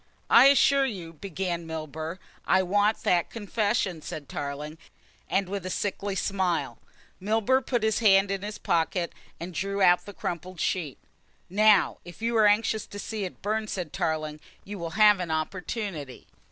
"I assure you " began Milburgh. "I want that confession," said Tarling, and with a sickly smile. Milburgh put his hand in his pocket and drew out the crumpled sheet. "Now, if you are anxious to see it burn," said Tarling, "you will have an opportunity."